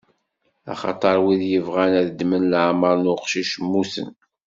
Axaṭer wid yebɣan ad ddmen leɛmeṛ n uqcic, mmuten.